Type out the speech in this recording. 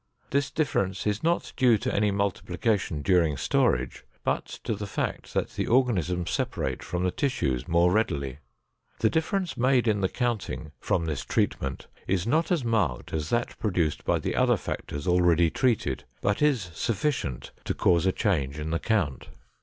This difference is not due to any multiplication during storage, but to the fact that the organisms separate from the tissues more readily. The difference made in the counting from this treatment is not as marked as that produced by the other factors already treated, but is sufficient to cause a change in the count.